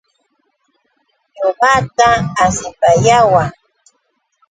Ñuqata asipayawan.